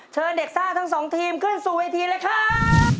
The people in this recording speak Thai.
เชิญเด็กซ่าทั้งสองทีมขึ้นสู่เวทีเลยครับ